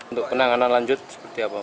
untuk penanganan lanjut seperti apa